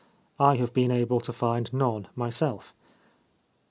T have been able to find none myself.